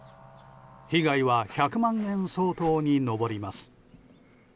被害は１００万円相当に上ります。